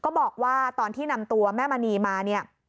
ก็บอกว่าตอนที่นำตัวแม่มณีมา